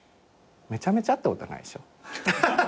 めちゃめちゃってことはないでしょ。